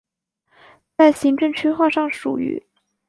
在行政区划上属于。